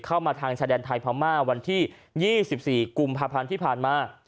เข้ามาทางชาแดนไทยพามาวันที่ยี่สิบสี่กุมพระพันธ์ที่ผ่านมา